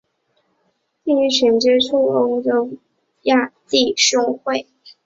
第一群接触库朱瓦克的欧洲人是摩拉维亚弟兄会。